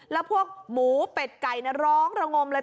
แล้วพวกหมูเป็ดไก่ร้องระงมเลย